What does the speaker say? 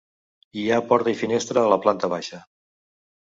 Hi ha porta i finestra a la planta baixa.